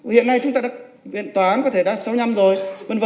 hiện nay chúng ta đã viện tòa án có thể đã sáu mươi năm rồi v v